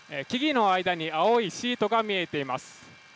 木々の間に青いシートが見えています。